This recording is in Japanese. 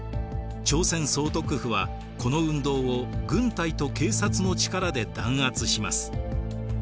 朝鮮総督府はこの運動を軍隊と警察の力で弾圧します。